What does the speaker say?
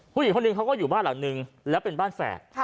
ผู้หญิงคนหนึ่งเขาก็อยู่บ้านหลังนึงแล้วเป็นบ้านแฝด